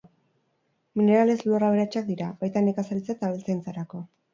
Mineralez lur aberatsak dira, baita nekazaritza eta abeltzaintzarako.